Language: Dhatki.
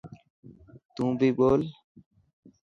تون بي ٻول.